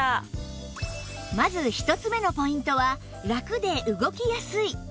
まず１つ目のポイントはラクで動きやすい